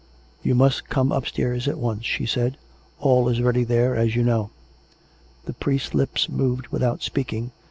" You must come upstairs at once," she said. " All is ready there, as you know." The priest's lips moved without speaking.